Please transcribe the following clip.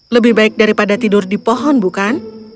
lebih baik daripada tidur di pohon bukan